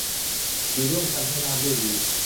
อยู่ร่วมกันให้ราบรื่นดี